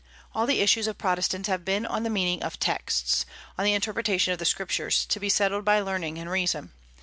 All the issues of Protestants have been on the meaning of texts, on the interpretation of the Scriptures, to be settled by learning and reason.